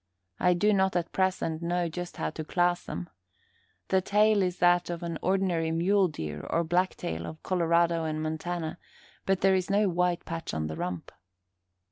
I do not at present know just how to class them. The tail is that of the ordinary mule deer, or blacktail, of Colorado and Montana, but there is no white patch on the rump.